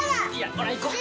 ほら行こう。